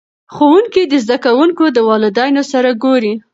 ښوونکي د زده کوونکو د والدینو سره ګوري.